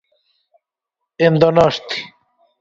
En Donosti.